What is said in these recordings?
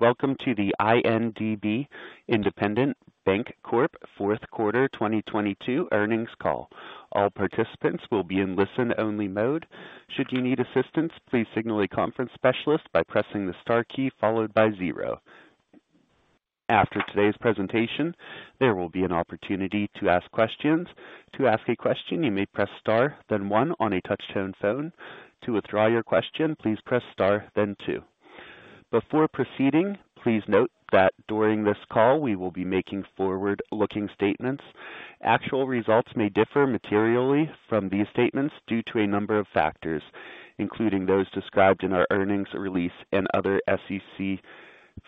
Welcome to the INDB Independent Bank Corp fourth quarter 2022 earnings call. All participants will be in listen-only mode. Should you need assistance, please signal a conference specialist by pressing the Star key followed by 0. After today's presentation, there will be an opportunity to ask questions. To ask a question, you may press star, then one on a touch-tone phone. To withdraw your question, please press star then two. Before proceeding, please note that during this call, we will be making forward-looking statements. Actual results may differ materially from these statements due to a number of factors, including those described in our earnings release and other SEC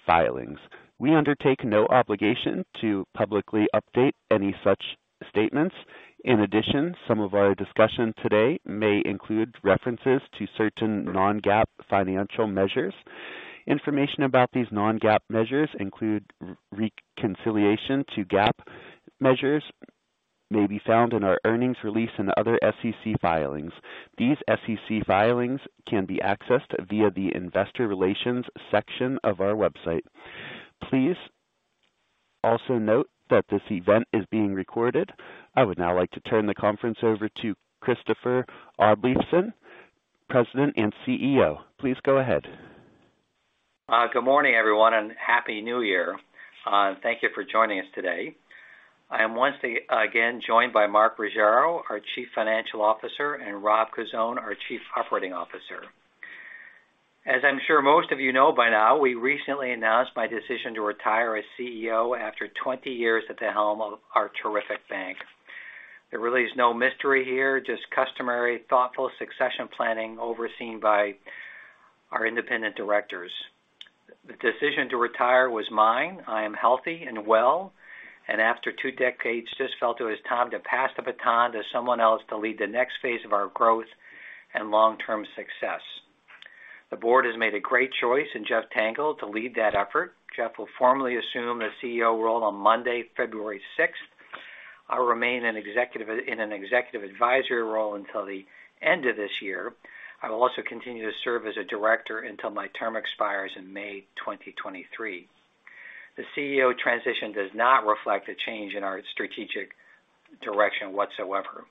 filings. We undertake no obligation to publicly update any such statements. In addition, some of our discussion today may include references to certain non-GAAP financial measures. Information about these non-GAAP measures include reconciliation to GAAP measures may be found in our earnings release and other SEC filings. These SEC filings can be accessed via the investor relations section of our website. Please also note that this event is being recorded. I would now like to turn the conference over to Christopher Oddleifson, President and CEO. Please go ahead. Good morning, everyone, and happy New Year, and thank you for joining us today. I am again joined by Mark Ruggiero, our Chief Financial Officer, and Rob Cozzone, our Chief Operating Officer. As I'm sure most of you know by now, we recently announced my decision to retire as CEO after 20 years at the helm of our terrific bank. There really is no mystery here, just customary, thoughtful succession planning overseen by our independent directors. The decision to retire was mine. I am healthy and well, and after two decades, just felt it was time to pass the baton to someone else to lead the next phase of our growth and long-term success. The board has made a great choice in Jeff Tengel to lead that effort. Jeff will formally assume the CEO role on Monday, February 6th. I'll remain an executive in an executive advisory role until the end of this year. I will also continue to serve as a director until my term expires in May 2023. The CEO transition does not reflect a change in our strategic direction whatsoever.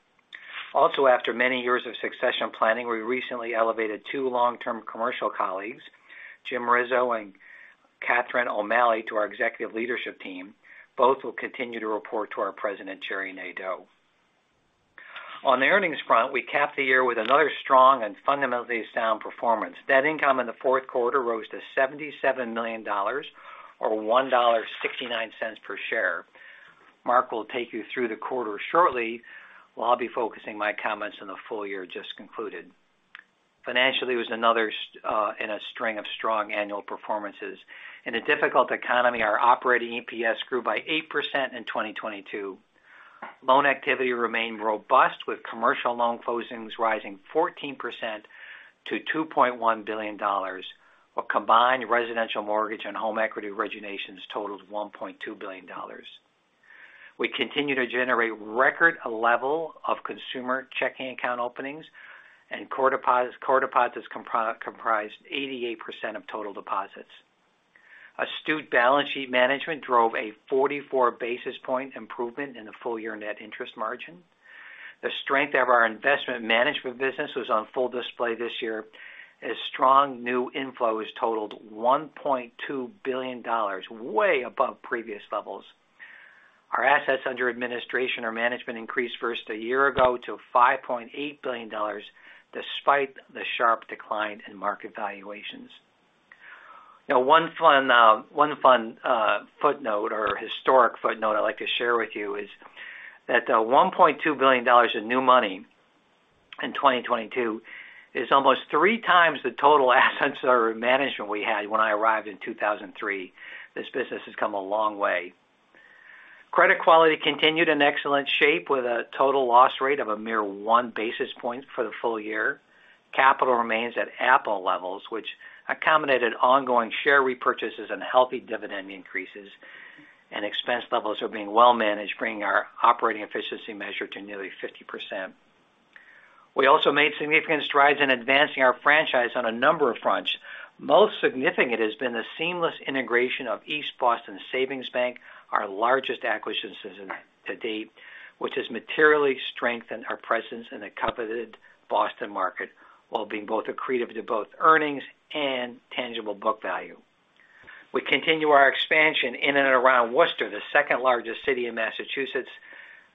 Also, after many years of succession planning, we recently elevated two long-term commercial colleagues, James Rizzo and Kathryn O'Malley, to our executive leadership team. Both will continue to report to our president, Jerry Nadeau. On the earnings front, we capped the year with another strong and fundamentally sound performance. Net income in the fourth quarter rose to $77 million or $1.69 per share. Mark will take you through the quarter shortly, while I'll be focusing my comments on the full year just concluded. Financially, it was another in a string of strong annual performances. In a difficult economy, our operating EPS grew by 8% in 2022. Loan activity remained robust, with commercial loan closings rising 14% to $2.1 billion, while combined residential mortgage and home equity originations totaled $1.2 billion. We continue to generate record level of consumer checking account openings, and core deposits comprised 88% of total deposits. Astute balance sheet management drove a 44 basis point improvement in the full-year net interest margin. The strength of our investment management business was on full display this year, as strong new inflows totaled $1.2 billion, way above previous levels. Our assets under administration or management increased versus a year ago to $5.8 billion, despite the sharp decline in market valuations. Now one fun footnote or historic footnote I'd like to share with you is that the $1.2 billion in new money in 2022 is almost three times the total assets or management we had when I arrived in 2003. This business has come a long way. Credit quality continued in excellent shape with a total loss rate of a mere 1 basis point for the full year. Capital remains at ample levels, which accommodated ongoing share repurchases and healthy dividend increases, and expense levels are being well managed, bringing our operating efficiency measure to nearly 50%. We also made significant strides in advancing our franchise on a number of fronts. Most significant has been the seamless integration of East Boston Savings Bank, our largest acquisition to date, which has materially strengthened our presence in the coveted Boston market, while being both accretive to both earnings and tangible book value. We continue our expansion in and around Worcester, the second-largest city in Massachusetts.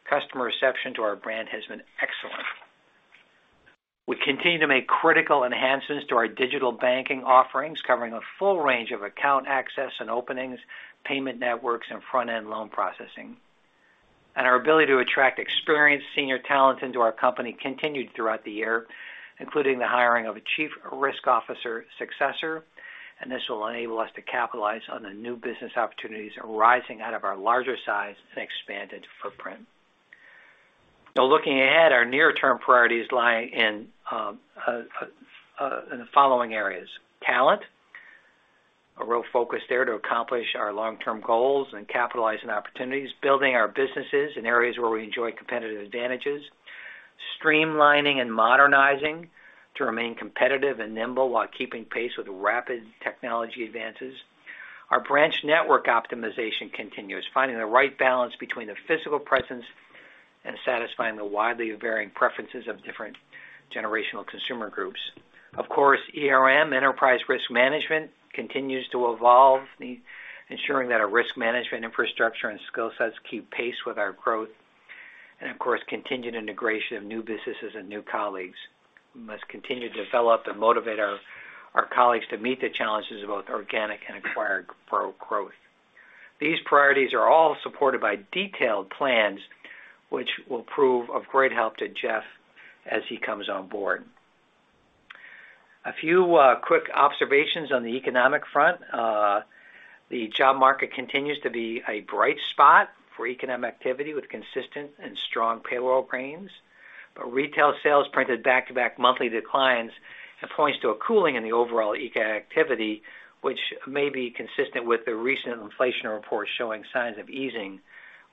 Customer reception to our brand has been excellent. We continue to make critical enhancements to our digital banking offerings, covering a full range of account access and openings, payment networks and front-end loan processing. Our ability to attract experienced senior talent into our company continued throughout the year, including the hiring of a chief risk officer successor, and this will enable us to capitalize on the new business opportunities arising out of our larger size and expanded footprint. Now looking ahead, our near-term priorities lie in the following areas. Talent, a real focus there to accomplish our long-term goals and capitalize on opportunities. Building our businesses in areas where we enjoy competitive advantages. Streamlining and modernizing to remain competitive and nimble while keeping pace with rapid technology advances. Our branch network optimization continues, finding the right balance between the physical presence and satisfying the widely varying preferences of different generational consumer groups. Of course, ERM, enterprise risk management, continues to evolve, ensuring that our risk management infrastructure and skill sets keep pace with our growth. Of course, continued integration of new businesses and new colleagues. We must continue to develop and motivate our colleagues to meet the challenges of both organic and acquired pro-growth. These priorities are all supported by detailed plans, which will prove of great help to Jeff as he comes on board. A few quick observations on the economic front. The job market continues to be a bright spot for economic activity with consistent and strong payroll gains. Retail sales printed back-to-back monthly declines. It points to a cooling in the overall economic activity, which may be consistent with the recent inflation report showing signs of easing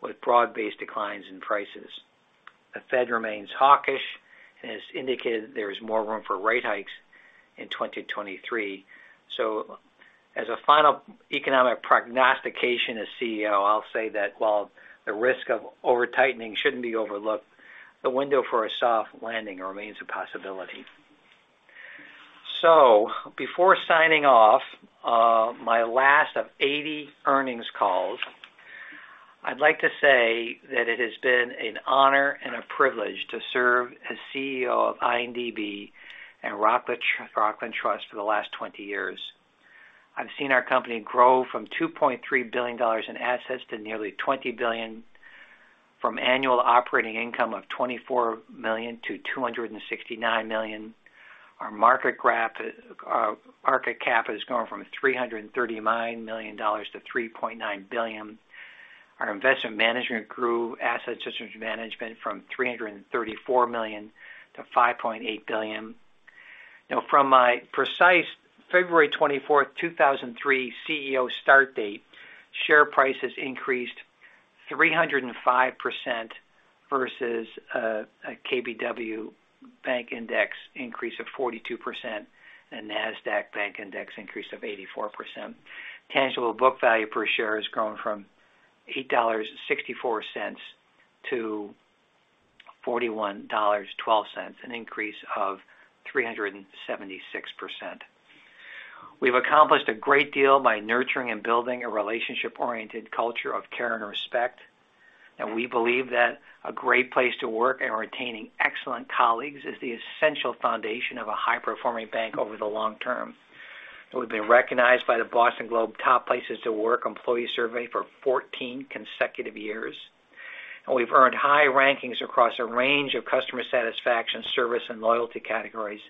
with broad-based declines in prices. The Fed remains hawkish and has indicated there is more room for rate hikes in 2023. As a final economic prognostication as CEO, I'll say that while the risk of overtightening shouldn't be overlooked, the window for a soft landing remains a possibility. Before signing off, my last of 80 earnings calls, I'd like to say that it has been an honor and a privilege to serve as CEO of INDB and Rockland Trust for the last 20 years. I've seen our company grow from $2.3 billion in assets to nearly $20 billion, from annual operating income of $24 million–$269 million. Our market cap has gone from $339 million–$3.9 billion. Our investment management grew asset systems management from $334 million–$5.8 billion. From my precise February 24th, 2003 CEO start date, share price has increased 305% versus a KBW Bank Index increase of 42% and NASDAQ Bank Index increase of 84%. Tangible book value per share has grown from $8.64–$41.12, an increase of 376%. We've accomplished a great deal by nurturing and building a relationship-oriented culture of care and respect, we believe that a great place to work and retaining excellent colleagues is the essential foundation of a high-performing bank over the long term. We've been recognized by The Boston Globe Top Places to Work employee survey for 14 consecutive years. We've earned high rankings across a range of customer satisfaction, service, and loyalty categories,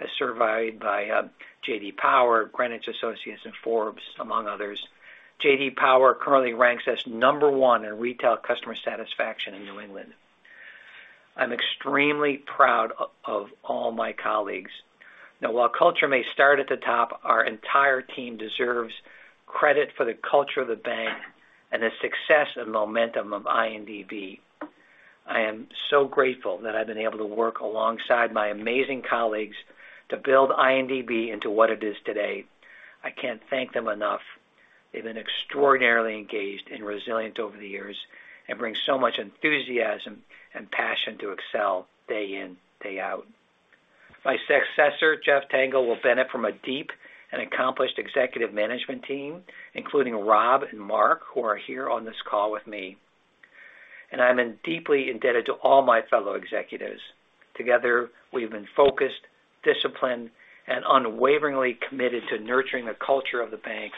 as surveyed by J.D. Power, Greenwich Associates, and Forbes, among others. J.D. Power currently ranks us number oneculture of the banks that produDecember 31 in retail customer satisfaction in New England. I'm extremely proud of all my colleagues. While culture may start at the top, our entire team deserves credit for the culture of the bank and the success and momentum of INDB. I am so grateful that I've been able to work alongside my amazing colleagues to build INDB into what it is today. I can't thank them enough. They've been extraordinarily engaged and resilient over the years and bring so much enthusiasm and passion to excel day in, day out. My successor, Jeff Tengel, will benefit from a deep and accomplished executive management team, including Rob and Mark, who are here on this call with me. I'm in deeply indebted to all my fellow executives. Together, we've been focused, disciplined, and unwaveringly committed to nurturing the culture of the banks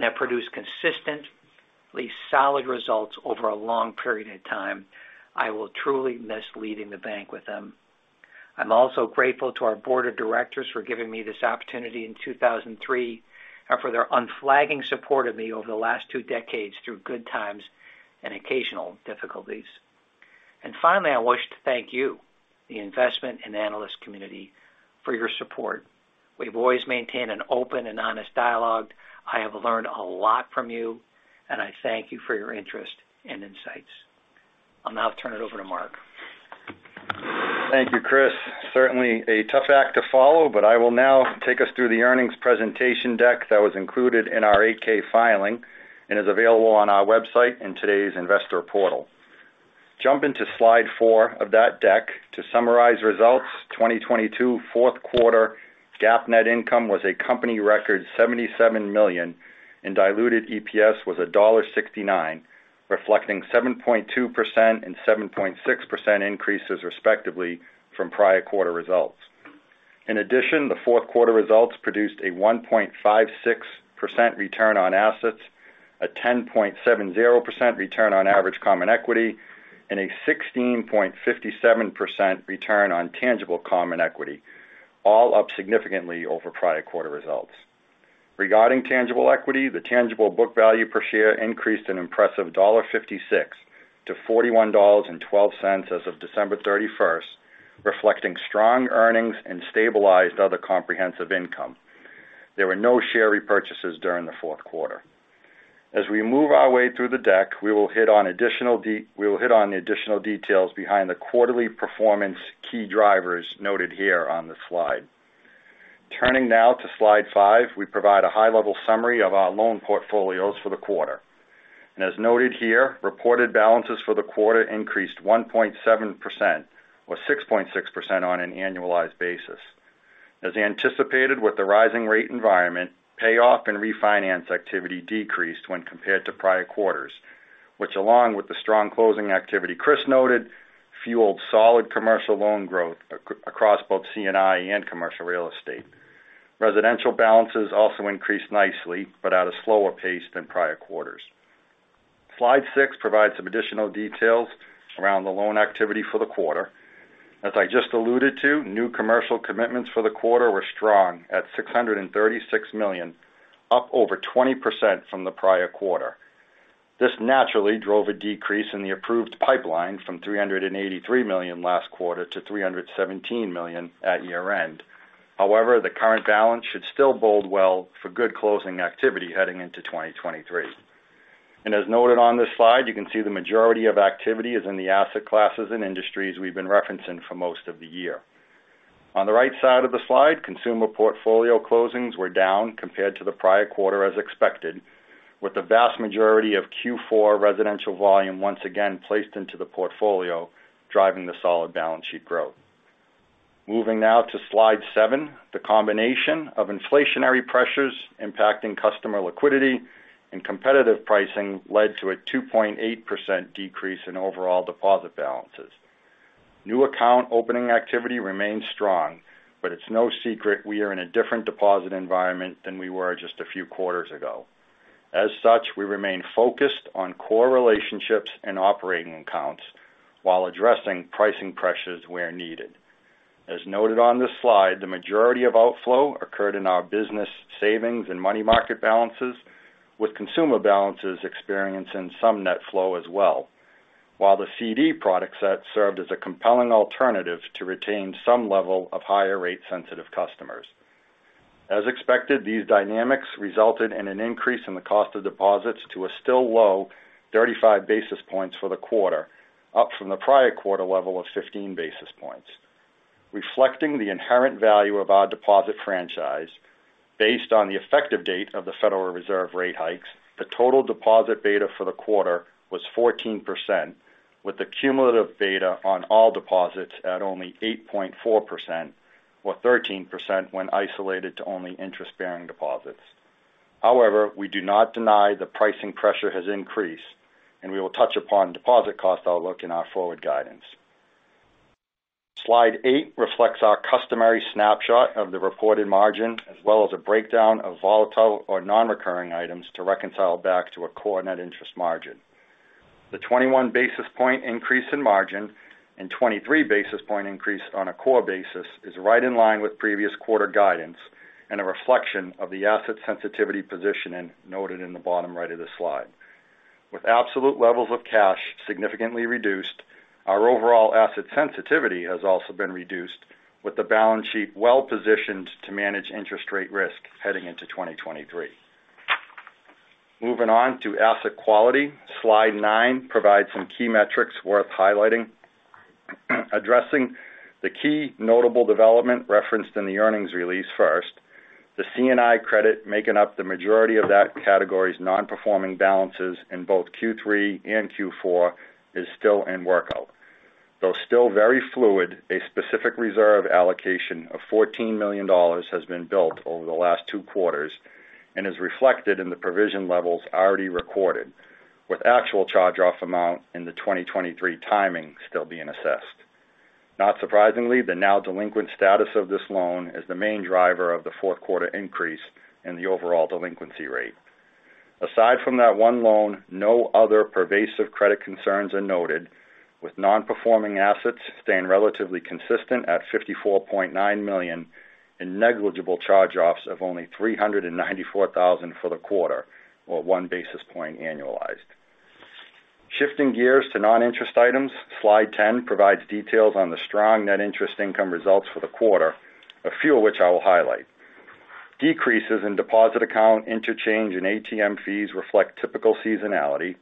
that produce consistently solid results over a long period of time. I will truly miss leading the bank with them. I'm also grateful to our board of directors for giving me this opportunity in 2003, and for their unflagging support of me over the last two decades through good times and occasional difficulties. Finally, I wish to thank you, the investment and analyst community, for your support. We've always maintained an open and honest dialogue. I have learned a lot from you, and I thank you for your interest and insights. I'll now turn it over to Mark. Thank you, Chris. Certainly a tough act to follow, I will now take us through the earnings presentation deck that was included in our 8-K filing and is available on our website in today's investor portal. Jump into slide 4 of that deck. To summarize results, 2022 fourth quarter GAAP net income was a company record $77 million, and diluted EPS was $1.69, reflecting 7.2% and 7.6% increases, respectively, from prior quarter results. In addition, the fourth quarter results produced a 1.56% Return on Assets, a 10.70% Return on Average Common Equity, and a 16.57% Return on Tangible Common Equity, all up significantly over prior quarter results. Regarding tangible equity, the Tangible Book Value Per Share increased an impressive $1.56 to $41.12 as of December 31st, reflecting strong earnings and stabilized Other Comprehensive Income. There were no share repurchases during the 4th quarter. As we move our way through the deck, we will hit on the additional details behind the quarterly performance key drivers noted here on the slide. Turning now to slide 5, we provide a high level summary of our loan portfolios for the quarter. As noted here, reported balances for the quarter increased 1.7%, or 6.6% on an annualized basis. As anticipated with the rising rate environment, payoff and refinance activity decreased when compared to prior quarters, which along with the strong closing activity Chris noted, fueled solid commercial loan growth across both C&I and commercial real estate. Residential balances also increased nicely, but at a slower pace than prior quarters. Slide 6 provides some additional details around the loan activity for the quarter. As I just alluded to, new commercial commitments for the quarter were strong at $636 million, up over 20% from the prior quarter. This naturally drove a decrease in the approved pipeline from $383 million last quarter to $317 million at year-end. However, the current balance should still bode well for good closing activity heading into 2023. As noted on this slide, you can see the majority of activity is in the asset classes and industries we've been referencing for most of the year. On the right side of the slide, consumer portfolio closings were down compared to the prior quarter as expected, with the vast majority of Q4 residential volume once again placed into the portfolio, driving the solid balance sheet growth. Moving now to slide 7. The combination of inflationary pressures impacting customer liquidity and competitive pricing led to a 2.8% decrease in overall deposit balances. New account opening activity remains strong, but it's no secret we are in a different deposit environment than we were just a few quarters ago. As such, we remain focused on core relationships and operating accounts while addressing pricing pressures where needed. As noted on this slide, the majority of outflow occurred in our business savings and money market balances, with consumer balances experiencing some net flow as well. While the CD product set served as a compelling alternative to retain some level of higher rate sensitive customers. As expected, these dynamics resulted in an increase in the cost of deposits to a still low 35 basis points for the quarter, up from the prior quarter level of 15 basis points. Reflecting the inherent value of our deposit franchise. Based on the effective date of the Federal Reserve rate hikes, the total deposit beta for the quarter was 14%, with the cumulative beta on all deposits at only 8.4% or 13% when isolated to only interest-bearing deposits. We do not deny the pricing pressure has increased. We will touch upon deposit cost outlook in our forward guidance. Slide 8 reflects our customary snapshot of the reported margin, as well as a breakdown of volatile or non-recurring items to reconcile back to a core net interest margin. The 21 basis point increase in margin and 23 basis point increase on a core basis is right in line with previous quarter guidance and a reflection of the asset sensitivity positioning noted in the bottom right of this slide. With absolute levels of cash significantly reduced, our overall asset sensitivity has also been reduced, with the balance sheet well-positioned to manage interest rate risk heading into 2023. Moving on to asset quality. Slide 9 provides some key metrics worth highlighting. Addressing the key notable development referenced in the earnings release first, the C&I credit making up the majority of that category's non-performing balances in both Q3 and Q4 is still in workout. Still very fluid, a specific reserve allocation of $14 million has been built over the last two quarters and is reflected in the provision levels already recorded, with actual charge-off amount in the 2023 timing still being assessed. Not surprisingly, the now delinquent status of this loan is the main driver of the fourth quarter increase in the overall delinquency rate. Aside from that one loan, no other pervasive credit concerns are noted, with non-performing assets staying relatively consistent at $54.9 million and negligible charge-offs of only $394,000 for the quarter, or one basis point annualized. Shifting gears to non-interest items. Slide 10 provides details on the strong net interest income results for the quarter, a few of which I will highlight. Decreases in deposit account interchange and ATM fees reflect typical seasonality.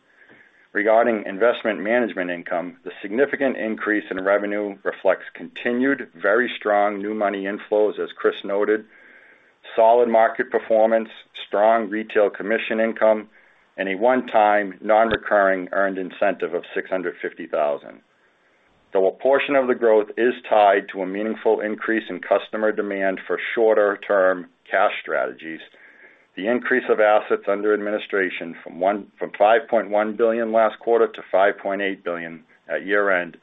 Regarding investment management income, the significant increase in revenue reflects continued very strong new money inflows, as Chris noted, solid market performance, strong retail commission income, and a one-time non-recurring earned incentive of $650,000. Though a portion of the growth is tied to a meaningful increase in customer demand for shorter term cash strategies, the increase of assets under administration from $5.1 billion last quarter to $5.8 billion at year-end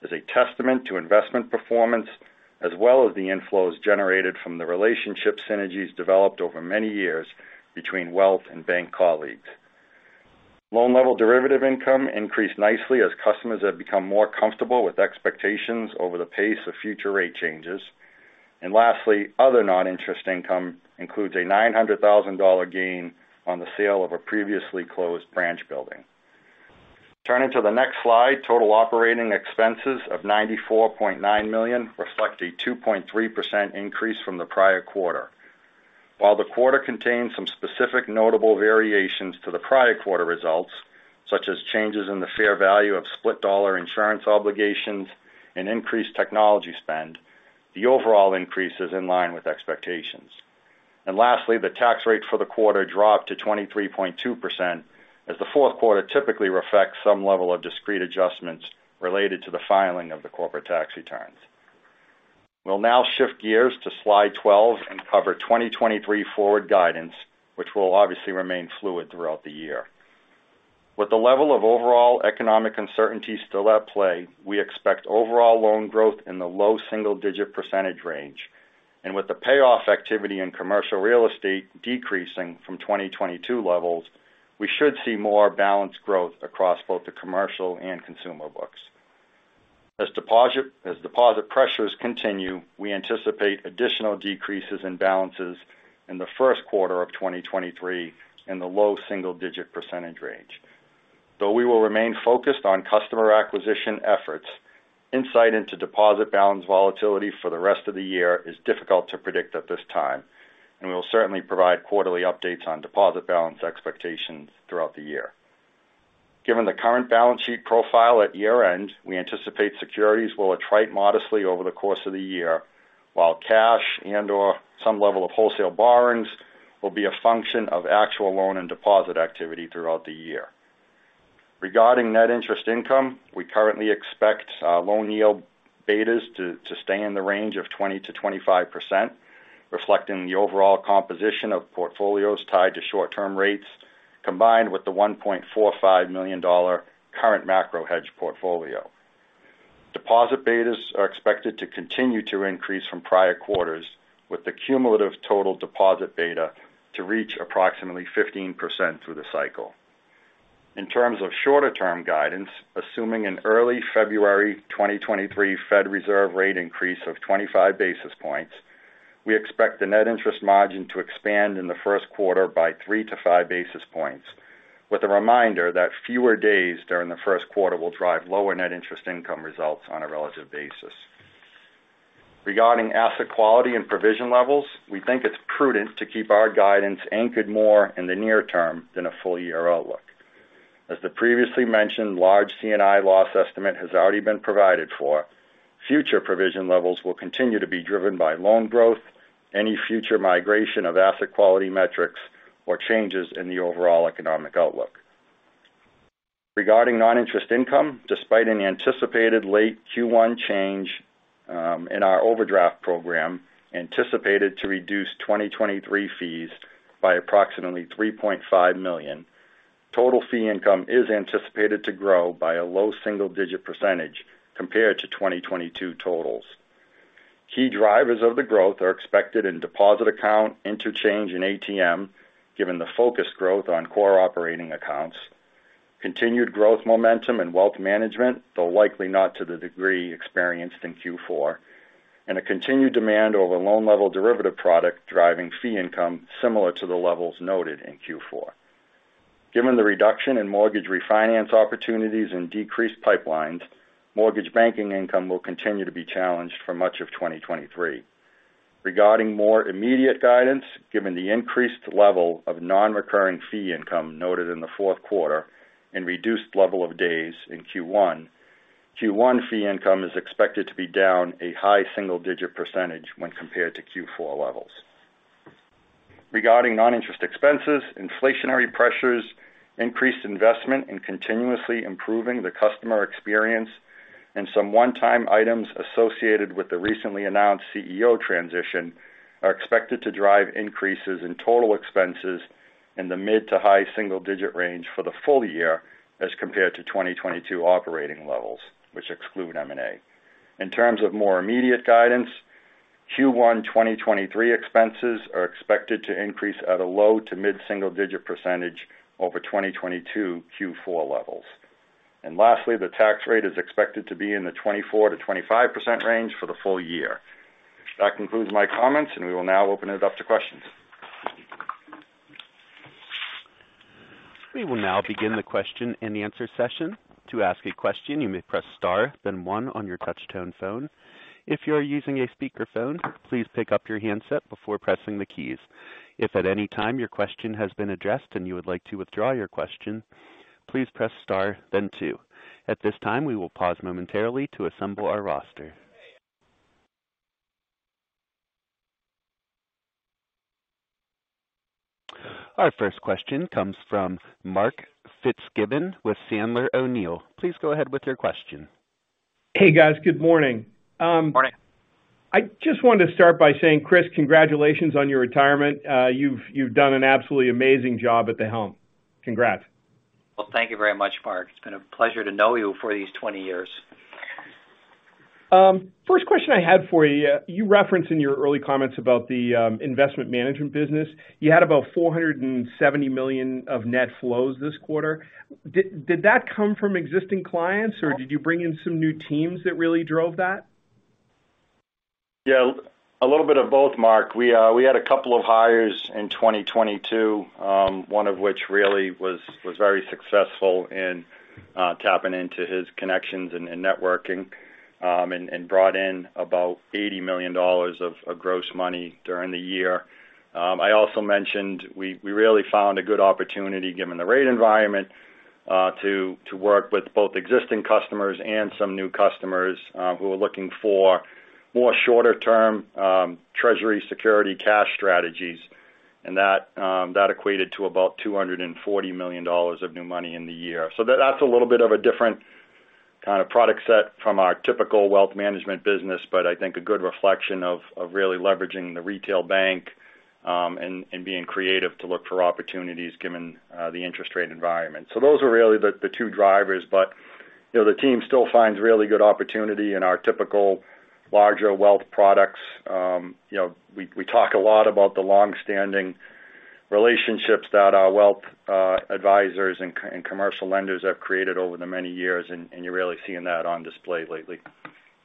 is a testament to investment performance, as well as the inflows generated from the relationship synergies developed over many years between wealth and bank colleagues. Loan level derivative income increased nicely as customers have become more comfortable with expectations over the pace of future rate changes. Lastly, other non-interest income includes a $900,000 gain on the sale of a previously closed branch building. Turning to the next slide. Total operating expenses of $94.9 million reflect a 2.3% increase from the prior quarter. While the quarter contains some specific notable variations to the prior quarter results, such as changes in the fair value of split-dollar life insurance obligations and increased technology spend, the overall increase is in line with expectations. Lastly, the tax rate for the quarter dropped to 23.2% as the fourth quarter typically reflects some level of discrete adjustments related to the filing of the corporate tax returns. We'll now shift gears to slide 12 and cover 2023 forward guidance, which will obviously remain fluid throughout the year. With the level of overall economic uncertainty still at play, we expect overall loan growth in the low single-digit % range. With the payoff activity in commercial real estate decreasing from 2022 levels, we should see more balanced growth across both the commercial and consumer books. As deposit pressures continue, we anticipate additional decreases in balances in the first quarter of 2023 in the low single-digit % range. Though we will remain focused on customer acquisition efforts, insight into deposit balance volatility for the rest of the year is difficult to predict at this time, and we will certainly provide quarterly updates on deposit balance expectations throughout the year. Given the current balance sheet profile at year-end, we anticipate securities will attrite modestly over the course of the year, while cash and or some level of wholesale borrowings will be a function of actual loan and deposit activity throughout the year. Regarding net interest income, we currently expect loan yield betas to stay in the range of 20%-25%, reflecting the overall composition of portfolios tied to short-term rates, combined with the $1.45 million current macro hedge portfolio. Deposit betas are expected to continue to increase from prior quarters, with the cumulative total deposit beta to reach approximately 15% through the cycle. In terms of shorter-term guidance, assuming an early February 2023 Fed Reserve rate increase of 25 basis points, we expect the net interest margin to expand in the first quarter by 3 to 5 basis points, with a reminder that fewer days during the first quarter will drive lower net interest income results on a relative basis. Regarding asset quality and provision levels, we think it's prudent to keep our guidance anchored more in the near term than a full year outlook. As the previously mentioned large C&I loss estimate has already been provided for, future provision levels will continue to be driven by loan growth, any future migration of asset quality metrics or changes in the overall economic outlook. Regarding non-interest income, despite an anticipated late Q1 change, in our overdraft program anticipated to reduce 2023 fees by approximately $3.5 million, total fee income is anticipated to grow by a low single-digit % compared to 2022 totals. Key drivers of the growth are expected in deposit account interchange and ATM, given the focused growth on core operating accounts. Continued growth momentum and wealth management, though likely not to the degree experienced in Q4, and a continued demand over loan level derivative product driving fee income similar to the levels noted in Q4. Given the reduction in mortgage refinance opportunities and decreased pipelines, mortgage banking income will continue to be challenged for much of 2023. Regarding more immediate guidance, given the increased level of non-recurring fee income noted in the fourth quarter and reduced level of days in Q1 fee income is expected to be down a high single-digit % when compared to Q4 levels. Regarding non-interest expenses, inflationary pressures, increased investment in continuously improving the customer experience and some one-time items associated with the recently announced CEO transition are expected to drive increases in total expenses in the mid to high single-digit range for the full year as compared to 2022 operating levels, which exclude M&A. In terms of more immediate guidance, Q1 2023 expenses are expected to increase at a low to mid single-digit % over 2022 Q4 levels. Lastly, the tax rate is expected to be in the 24%-25% range for the full year. That concludes my comments, and we will now open it up to questions. We will now begin the question and answer session. To ask a question, you may press star then 1 on your touch-tone phone. If you are using a speakerphone, please pick up your handset before pressing the keys. If at any time your question has been addressed and you would like to withdraw your question, please press star then 2. At this time, we will pause momentarily to assemble our roster. Our first question comes from Mark Fitzgibbon with Sandler O'Neill. Please go ahead with your question. Hey, guys. Good morning. Morning. I just wanted to start by saying, Chris, congratulations on your retirement. You've done an absolutely amazing job at the helm. Congrats. Well, thank you very much, Mark. It's been a pleasure to know you for these 20 years. First question I had for you. You referenced in your early comments about the investment management business. You had about $470 million of net flows this quarter. Did that come from existing clients or did you bring in some new teams that really drove that? A little bit of both, Mark. We had a couple of hires in 2022, one of which really was very successful in tapping into his connections and networking and brought in about $80 million of gross money during the year. I also mentioned we really found a good opportunity given the rate environment to work with both existing customers and some new customers who are looking for more shorter-term treasury security cash strategies. That equated to about $240 million of new money in the year. That's a little bit of a different kind of product set from our typical wealth management business, but I think a good reflection of really leveraging the retail bank, and being creative to look for opportunities given the interest rate environment. Those are really the two drivers. You know, the team still finds really good opportunity in our typical larger wealth products. You know, we talk a lot about the long-standing relationships that our wealth advisors and commercial lenders have created over the many years, and you're really seeing that on display lately.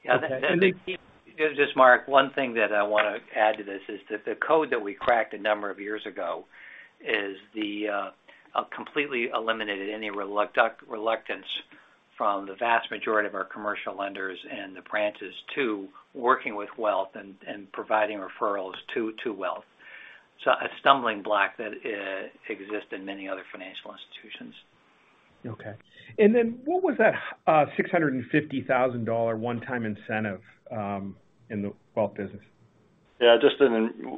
Yeah. they- Just, Mark, one thing that I wanna add to this is that the code that we cracked a number of years ago is the completely eliminated any reluctance from the vast majority of our commercial lenders and the branches to working with wealth and providing referrals to wealth. A stumbling block that exists in many other financial institutions. Okay. What was that, $650,000 one-time incentive in the wealth business? Yeah, just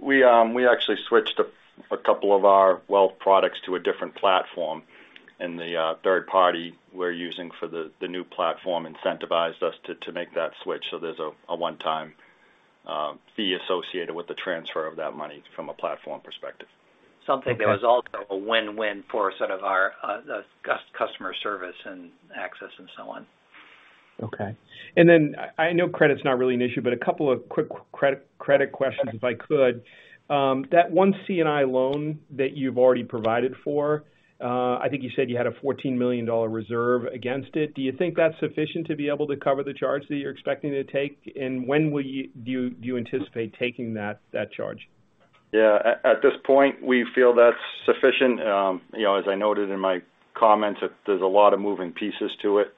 we actually switched a couple of our wealth products to a different platform, and the third party we're using for the new platform incentivized us to make that switch. There's a one-time fee associated with the transfer of that money from a platform perspective. Okay. Something that was also a win-win for sort of our customer service and access and so on. Okay. Then I know credit's not really an issue, but a couple of quick credit questions, if I could. That one C&I loan that you've already provided for, I think you said you had a $14 million reserve against it. Do you think that's sufficient to be able to cover the charge that you're expecting to take? When do you anticipate taking that charge? Yeah. At this point, we feel that's sufficient. You know, as I noted in my comments, there's a lot of moving pieces to it.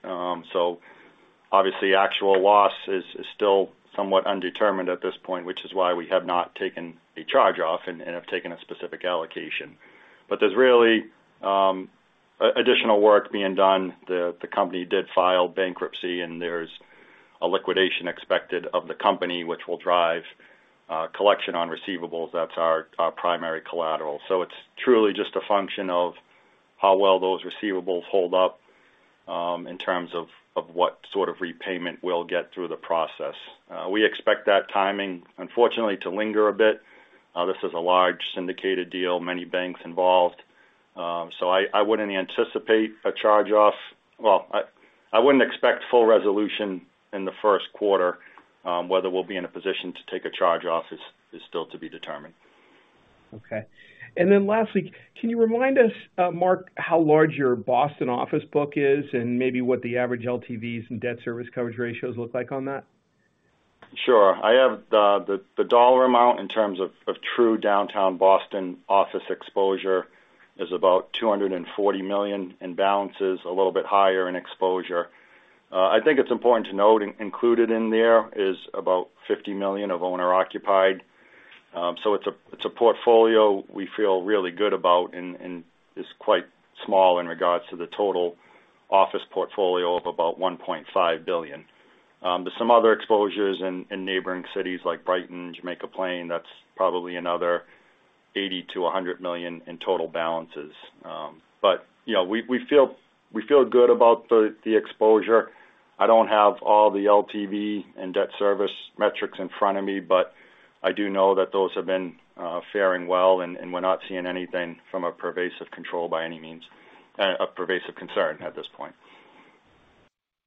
Obviously actual loss is still somewhat undetermined at this point, which is why we have not taken a charge off and have taken a specific allocation. There's really additional work being done. The company did file bankruptcy, and there's a liquidation expected of the company, which will drive collection on receivables. That's our primary collateral. It's truly just a function of how well those receivables hold up in terms of what sort of repayment we'll get through the process. We expect that timing, unfortunately, to linger a bit. This is a large syndicated deal, many banks involved. I wouldn't anticipate a charge off. Well, I wouldn't expect full resolution in the first quarter. Whether we'll be in a position to take a charge off is still to be determined. Okay. Then lastly, can you remind us, Mark, how large your Boston office book is and maybe what the average LTVs and debt service coverage ratios look like on that? Sure. I have the dollar amount in terms of true downtown Boston office exposure is about $240 million in balances, a little bit higher in exposure. I think it's important to note, included in there is about $50 million of owner-occupied. So it's a portfolio we feel really good about and is quite small in regards to the total office portfolio of about $1.5 billion. There's some other exposures in neighboring cities like Brighton, Jamaica Plain, that's probably another $80 million-$100 million in total balances. But, you know, we feel good about the exposure. I don't have all the LTV and debt service metrics in front of me, but I do know that those have been faring well, and we're not seeing anything from a pervasive control by any means, a pervasive concern at this point.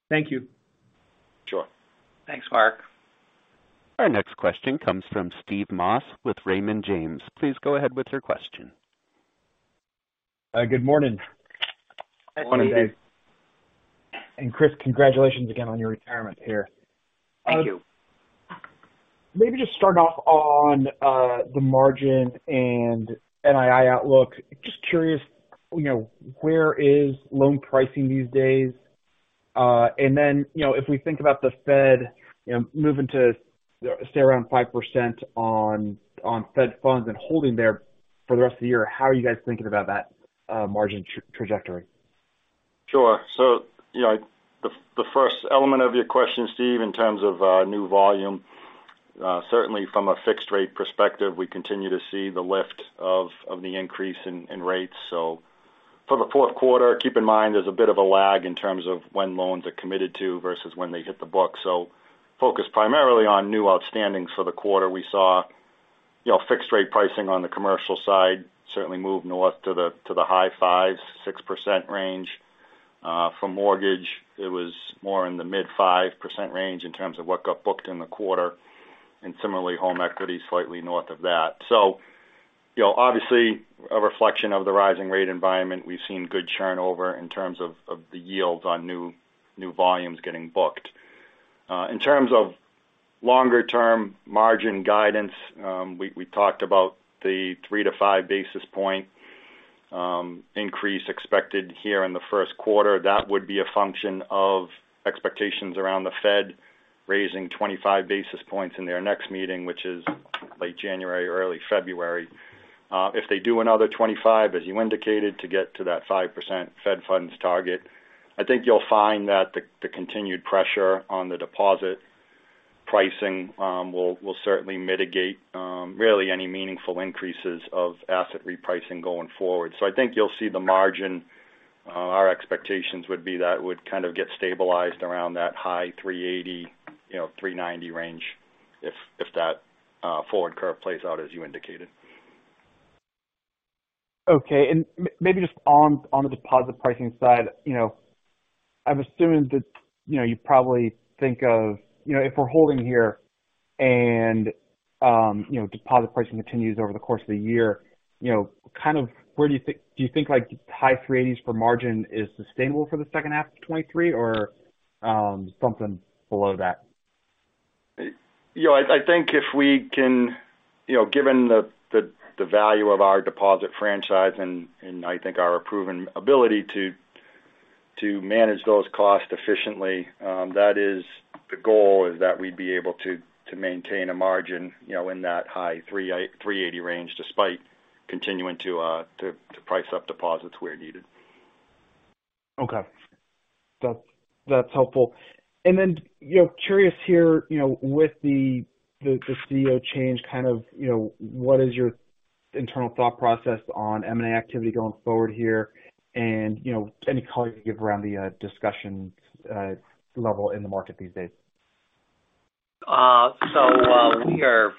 Thank you. Sure. Thanks, Mark. Our next question comes from Steve Moss with Raymond James. Please go ahead with your question. Good morning. Good morning, Steve. Steve. Chris, congratulations again on your retirement here. Thank you. Maybe just start off on the margin and NII outlook. Just curious, you know, where is loan pricing these days? You know, if we think about the Fed, you know, moving to stay around 5% on Fed funds and holding there for the rest of the year, how are you guys thinking about that margin trajectory? Sure. You know, the first element of your question, Steve, in terms of new volume, certainly from a fixed rate perspective, we continue to see the lift of the increase in rates. For the fourth quarter, keep in mind there's a bit of a lag in terms of when loans are committed to versus when they hit the book. Focused primarily on new outstandings for the quarter, we saw, you know, fixed rate pricing on the commercial side certainly move north to the high 5s, 6% range. For mortgage, it was more in the mid-5% range in terms of what got booked in the quarter. Similarly, home equity is slightly north of that. You know, obviously a reflection of the rising rate environment. We've seen good churn over in terms of the yields on new volumes getting booked. In terms of longer-term margin guidance, we talked about the 3-5 basis point increase expected here in the first quarter. That would be a function of expectations around the Fed raising 25 basis points in their next meeting, which is late January or early February. If they do another 25, as you indicated, to get to that 5% Fed funds target, I think you'll find that the continued pressure on the deposit pricing will certainly mitigate really any meaningful increases of asset repricing going forward. I think you'll see the margin. Our expectations would be that would kind of get stabilized around that high 380, you know, 390 range if that, forward curve plays out as you indicated. Okay. Maybe just on the deposit pricing side, you know, I'm assuming that, you know, you probably think of, you know, if we're holding here, you know, deposit pricing continues over the course of the year, you know, kind of where do you think, do you think like high three eighties for margin is sustainable for the second half of 2023 or something below that? You know, I think if we can, you know, given the value of our deposit franchise and I think our proven ability to manage those costs efficiently, that is the goal is that we'd be able to maintain a margin, you know, in that high 3.80% range despite continuing to price up deposits where needed. Okay. That's helpful. Then, you know, curious here, you know, with the CEO change kind of, you know, what is your internal thought process on M&A activity going forward here? You know, any color you can give around the discussion level in the market these days? We are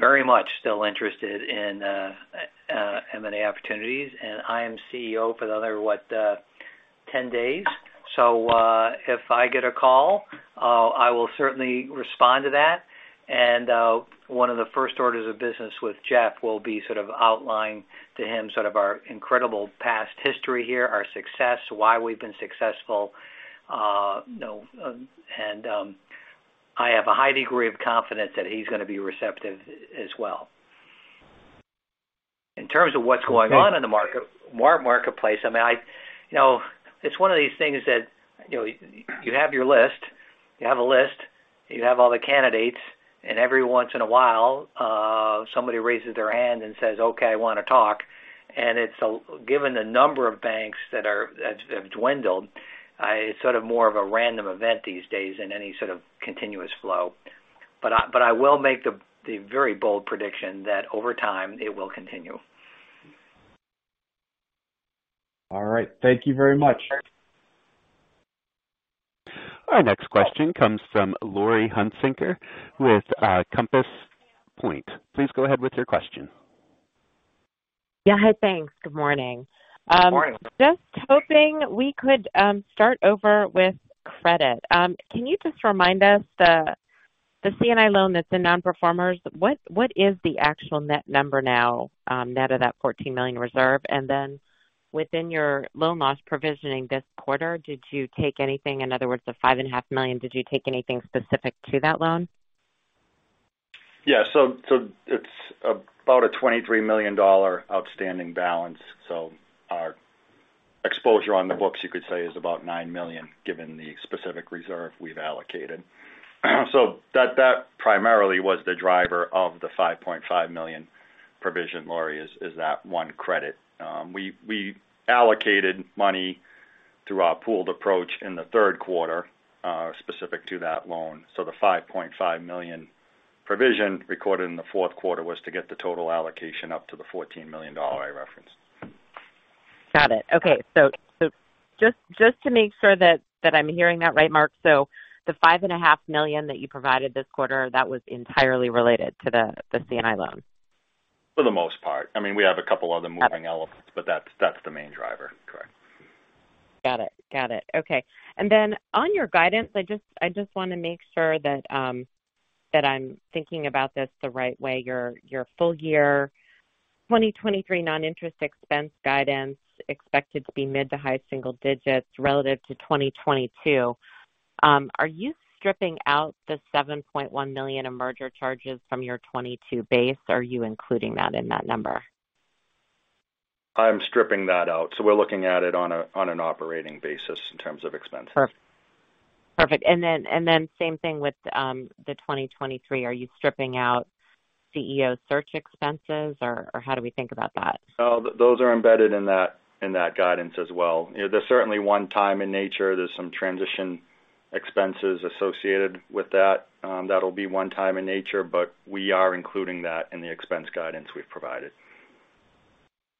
very much still interested in M&A opportunities. I am CEO for another what, 10 days. If I get a call, I will certainly respond to that. One of the first orders of business with Jeff will be sort of outline to him sort of our incredible past history here, our success, why we've been successful. You know, and I have a high degree of confidence that he's gonna be receptive as well. In terms of what's going on in the marketplace, I mean, I, you know, it's one of these things that, you know, you have your list. You have a list, you have all the candidates, and every once in a while, somebody raises their hand and says, "Okay, I wanna talk." And it's a... Given the number of banks that have dwindled, it's sort of more of a random event these days in any sort of continuous flow. I will make the very bold prediction that over time it will continue. All right. Thank you very much. Okay. Our next question comes from Laurie Hunsicker with Compass Point. Please go ahead with your question. Yeah. Hi. Thanks. Good morning. Good morning. Just hoping we could start over with credit. Can you just remind us the C&I loan that's in non-performers, what is the actual net number now, net of that $14 million reserve? Within your loan loss provisioning this quarter, did you take anything, in other words, the $ five and a half million, did you take anything specific to that loan? Yeah. It's about a $23 million outstanding balance. Our exposure on the books you could say is about $9 million, given the specific reserve we've allocated. That primarily was the driver of the $5.5 million provision, Laurie, is that one credit. We allocated money through our pooled approach in the third quarter specific to that loan. The $5.5 million provision recorded in the fourth quarter was to get the total allocation up to the $14 million I referenced. Got it. Okay. Just to make sure that I'm hearing that right, Mark. The five and a half million that you provided this quarter, that was entirely related to the C&I loan. For the most part. I mean, we have a couple other moving elements, but that's the main driver. Correct. Got it. Got it. Okay. On your guidance, I just wanna make sure that I'm thinking about this the right way. Your full year 2023 non-interest expense guidance expected to be mid to high single digits relative to 2022. Are you stripping out the $7.1 million in merger charges from your 2022 base? Are you including that in that number? I'm stripping that out. We're looking at it on an operating basis in terms of expenses. Perfect. Perfect. Then same thing with the 2023. Are you stripping out CEO search expenses or how do we think about that? Those are embedded in that, in that guidance as well. You know, they're certainly one time in nature. There's some transition expenses associated with that. That'll be one time in nature, but we are including that in the expense guidance we've provided.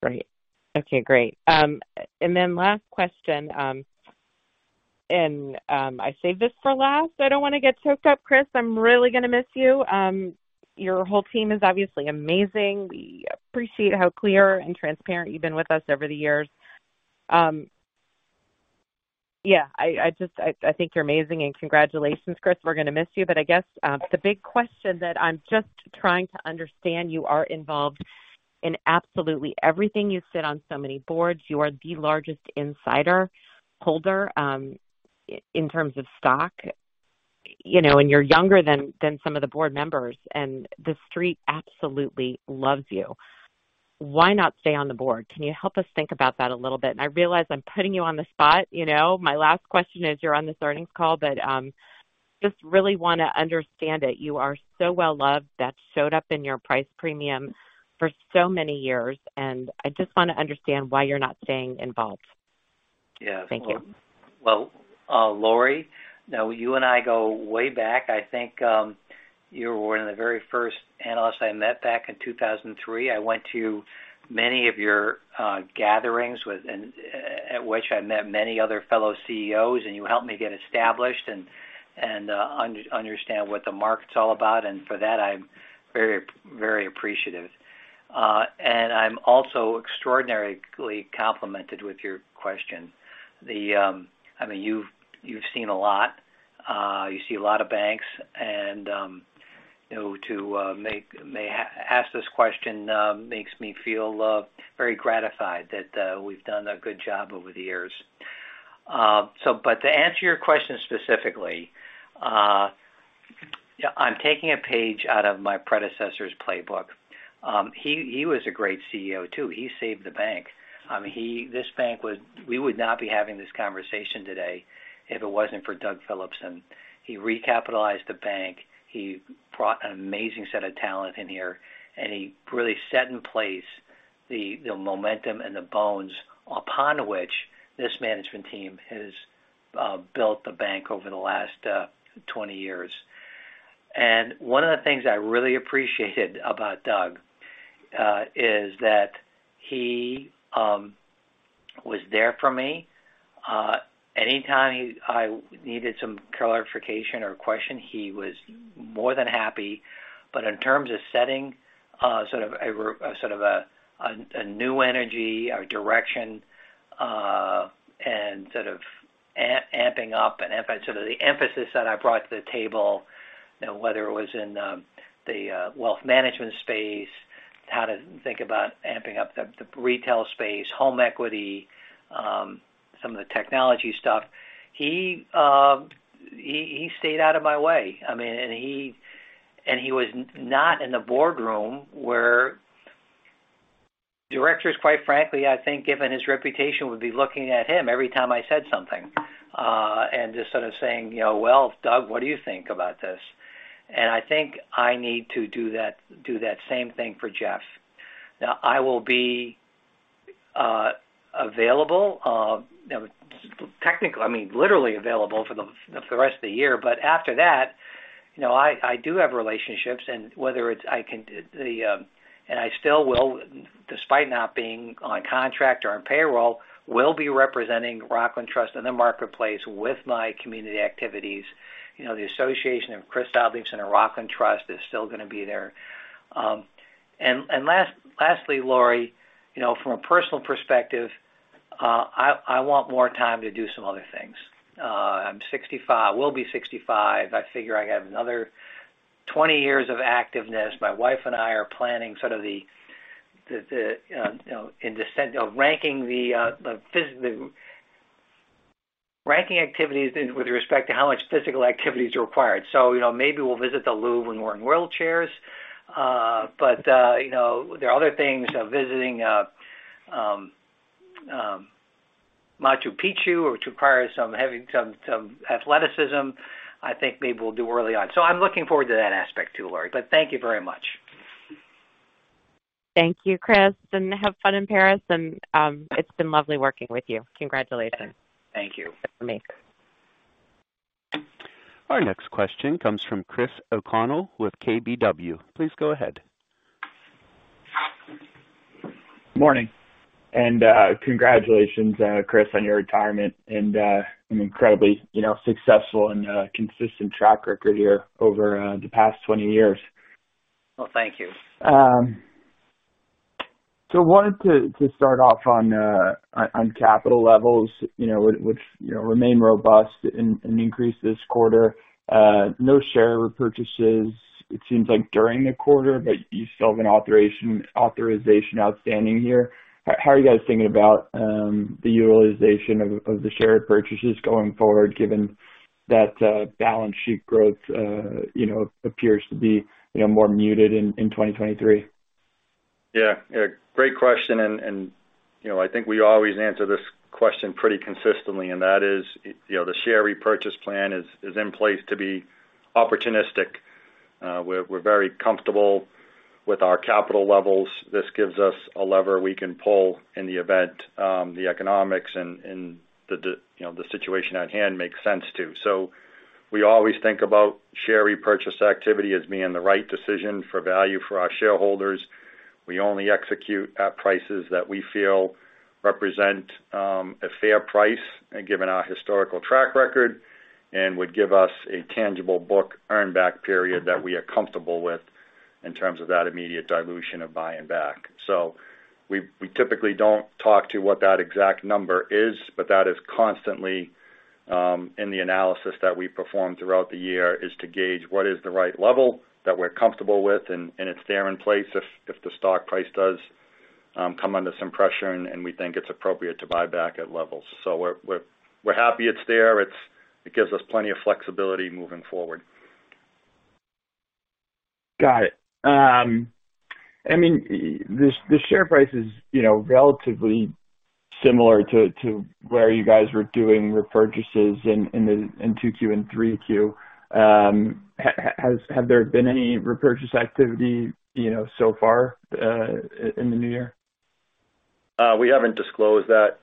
Great. Okay, great. Last question. I saved this for last. I don't wanna get choked up, Chris. I'm really gonna miss you. Your whole team is obviously amazing. We appreciate how clear and transparent you've been with us over the years. Yeah, I just, I think you're amazing, congratulations, Chris. We're gonna miss you. I guess, the big question that I'm just trying to understand, you are involved in absolutely everything. You sit on so many boards, you are the largest insider holder in terms of stock, you know, you're younger than some of the board members, and the street absolutely loves you. Why not stay on the board? Can you help us think about that a little bit? I realize I'm putting you on the spot, you know. My last question is, you're on this earnings call, but, just really wanna understand it. You are so well loved. That showed up in your price premium for so many years, and I just wanna understand why you're not staying involved. Yeah. Thank you. Well, Laurie, now you and I go way back. I think, you were one of the very first analysts I met back in 2003. I went to many of your gatherings with and at which I met many other fellow CEOs, and you helped me get established and understand what the market's all about. For that, I'm very appreciative. I'm also extraordinarily complimented with your question. The. I mean, you've seen a lot. You see a lot of banks and, you know, to ask this question, makes me feel very gratified that we've done a good job over the years. But to answer your question specifically, I'm taking a page out of my predecessor's playbook. He was a great CEO, too. He saved the bank. I mean, we would not be having this conversation today if it wasn't for Doug Phillipsen. He recapitalized the bank. He brought an amazing set of talent in here, and he really set in place the momentum and the bones upon which this management team has built the bank over the last 20 years. One of the things I really appreciated about Doug is that he was there for me. Anytime I needed some clarification or question, he was more than happy. In terms of setting, sort of a new energy or direction, and sort of amping up and sort of the emphasis that I brought to the table, you know, whether it was in, the wealth management space, how to think about amping up the retail space, home equity, some of the technology stuff, he stayed out of my way. I mean, and he was not in the boardroom where directors, quite frankly, I think, given his reputation, would be looking at him every time I said something, and just sort of saying, you know, "Well, Doug, what do you think about this?" I think I need to do that same thing for Jeff. Now I will be, available, you know, technically, I mean, literally available for the rest of the year. After that, you know, I do have relationships and whether it's I can the... I still will, despite not being on a contract or on payroll, will be representing Rockland Trust in the marketplace with my community activities. You know, the association of Chris Oddleifson and Rockland Trust is still gonna be there. Lastly, Laurie, you know, from a personal perspective, I want more time to do some other things. I'm 65. I will be 65. I figure I have another 20 years of activeness. My wife and I are planning sort of the, you know, in descent of ranking the... ranking activities in with respect to how much physical activity is required. You know, maybe we'll visit the Louvre when we're in wheelchairs. You know, there are other things, visiting Machu Picchu, which requires some heavy, some athleticism I think maybe we'll do early on. I'm looking forward to that aspect too, Laurie, but thank you very much. Thank you, Chris, and have fun in Paris. It's been lovely working with you. Congratulations. Thank you. For me. Our next question comes from Chris O'Connell with KBW. Please go ahead. Morning, and congratulations, Chris, on your retirement and an incredibly, you know, successful and consistent track record here over the past 20 years. Well, thank you. Wanted to start off on capital levels, you know, which, you know, remain robust and increased this quarter. No share repurchases, it seems like, during the quarter, but you still have an authorization outstanding here. How are you guys thinking about the utilization of the share repurchases going forward given that balance sheet growth, you know, appears to be, you know, more muted in 2023? Yeah. Yeah. Great question. You know, I think we always answer this question pretty consistently, and that is, you know, the share repurchase plan is in place to be opportunistic. We're very comfortable with our capital levels. This gives us a lever we can pull in the event, the economics and you know, the situation at hand makes sense to. We always think about share repurchase activity as being the right decision for value for our shareholders. We only execute at prices that we feel represent a fair price given our historical track record and would give us a tangible book earn back period that we are comfortable with in terms of that immediate dilution of buying back. We typically don't talk to what that exact number is, but that is constantly in the analysis that we perform throughout the year, is to gauge what is the right level that we're comfortable with, and it's there in place if the stock price does come under some pressure and we think it's appropriate to buy back at levels. We're happy it's there. It gives us plenty of flexibility moving forward. Got it. I mean, the share price is, you know, relatively similar to, where you guys were doing repurchases in 2Q and 3Q. Have there been any repurchase activity, you know, so far, in the new year? We haven't disclosed that,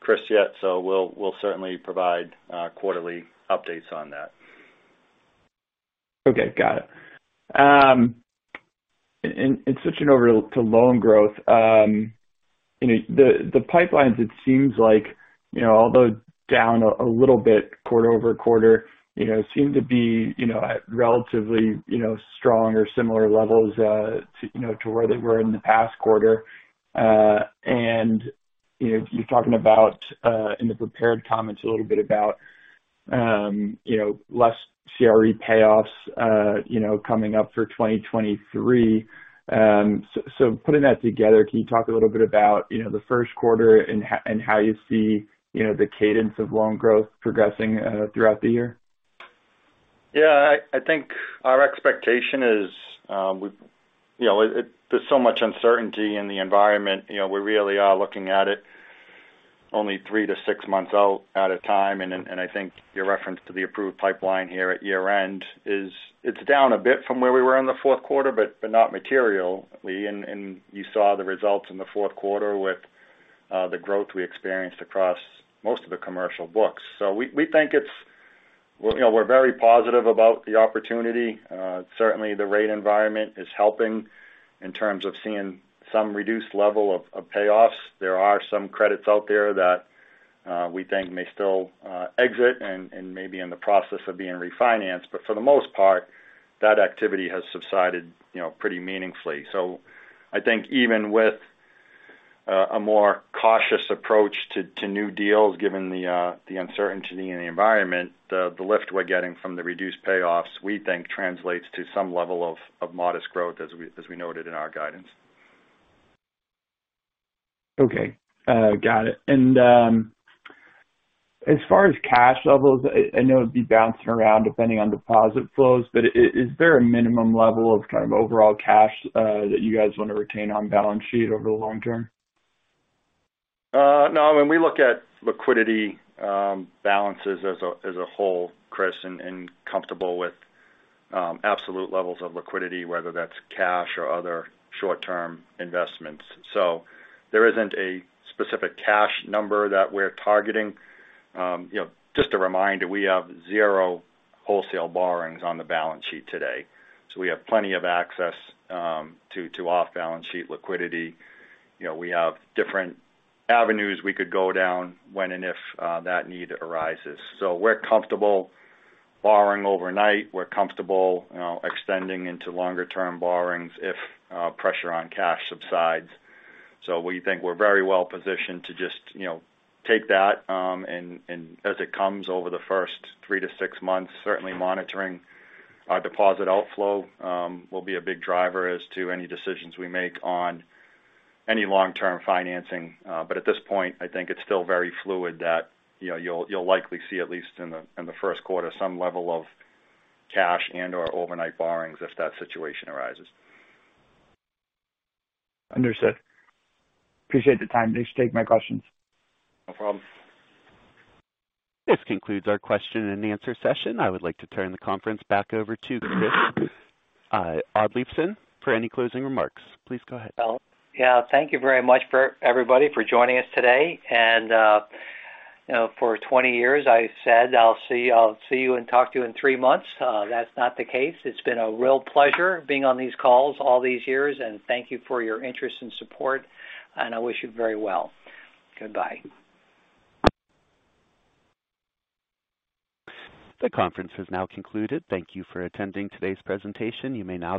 Chris, yet. We'll certainly provide quarterly updates on that. Okay. Got it. Switching over to loan growth. You know, the pipelines, it seems like, you know, although down a little bit quarter-over-quarter, you know, seem to be, you know, at relatively, you know, strong or similar levels to, you know, to where they were in the past quarter. You know, you're talking about in the prepared comments a little bit about, you know, less CRE payoffs, you know, coming up for 2023. Putting that together, can you talk a little bit about, you know, the first quarter and how you see, you know, the cadence of loan growth progressing throughout the year? Yeah. I think our expectation is, you know, there's so much uncertainty in the environment. You know, we really are looking at it only 3 to 6 months out at a time. I think your reference to the approved pipeline here at year-end is, it's down a bit from where we were in the fourth quarter, but not materially. You saw the results in the fourth quarter with the growth we experienced across most of the commercial books. We think it's. We're, you know, we're very positive about the opportunity. Certainly the rate environment is helping in terms of seeing some reduced level of payoffs. There are some credits out there that we think may still exit and may be in the process of being refinanced. For the most part, that activity has subsided, you know, pretty meaningfully. So I think even with a more cautious approach to new deals, given the uncertainty in the environment, the lift we're getting from the reduced payoffs, we think translates to some level of modest growth as we noted in our guidance. Okay. got it. As far as cash levels, I know it'd be bouncing around depending on deposit flows, but is there a minimum level of kind of overall cash that you guys wanna retain on balance sheet over the long term? No. I mean, we look at liquidity, balances as a whole, Chris, comfortable with absolute levels of liquidity, whether that's cash or other short-term investments. There isn't a specific cash number that we're targeting. You know, just a reminder, we have 0 wholesale borrowings on the balance sheet today. We have plenty of access to off balance sheet liquidity. You know, we have different avenues we could go down when and if that need arises. We're comfortable borrowing overnight. We're comfortable, you know, extending into longer term borrowings if pressure on cash subsides. We think we're very well positioned to just, you know, take that as it comes over the first 3 to 6 months. Certainly monitoring our deposit outflow, will be a big driver as to any decisions we make on any long-term financing. At this point, I think it's still very fluid that, you know, you'll likely see, at least in the, in the first quarter, some level of cash and/or overnight borrowings if that situation arises. Understood. Appreciate the time. Thanks for taking my questions. No problem. This concludes our question and answer session. I would like to turn the conference back over to Chris Oddleifson for any closing remarks. Please go ahead. Well, yeah, thank you very much for everybody for joining us today. You know, for 20 years I said I'll see you and talk to you in 3 months. That's not the case. It's been a real pleasure being on these calls all these years. Thank you for your interest and support, and I wish you very well. Goodbye. The conference has now concluded. Thank you for attending today's presentation. You may now disconnect.